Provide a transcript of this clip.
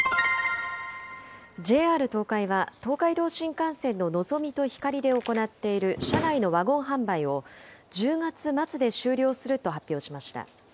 ＪＲ東海は、東海道新幹線ののぞみとひかりで行っている車内のワゴン販売を、１０月末で終了すると発表しました。